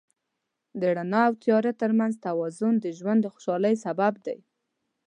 د رڼا او تیاره تر منځ توازن د ژوند د خوشحالۍ سبب دی.